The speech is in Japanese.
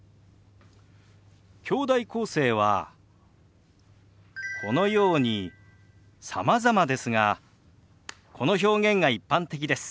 きょうだい構成はこのようにさまざまですがこの表現が一般的です。